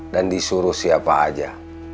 dan disuruh siapa aja